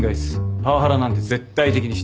パワハラなんて絶対的にしてません。